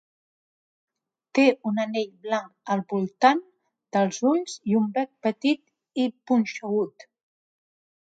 Té un anell blanc al voltant dels ulls i un bec petit i punxegut.